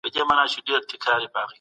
کمپيوټر فايل شريکوي.